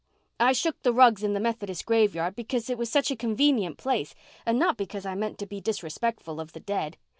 I shook the rugs in the Methodist graveyard because it was such a convenient place and not because I meant to be disrespectful of the dead.